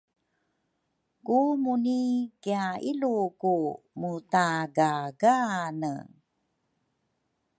ku Muni kiailuku mutaagaagane.